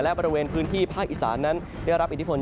และบริเวณพื้นที่ภาคอีสานนั้นได้รับอิทธิพล